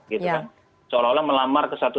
gitu kan seolah olah melamar ke satu